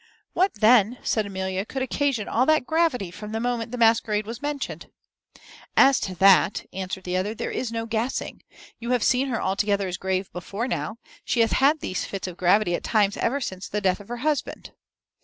"What then," said Amelia, "could occasion all that gravity from the moment the masquerade was mentioned?" "As to that," answered the other, "there is no guessing. You have seen her altogether as grave before now. She hath had these fits of gravity at times ever since the death of her husband."